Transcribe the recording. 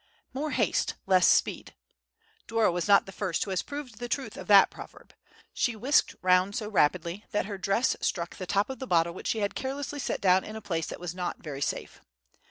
"More haste, less speed." Dora was not the first who has proved the truth of that proverb. She whisked round so rapidly that her dress struck the top of the bottle which she had carelessly set down in a place that was not very safe.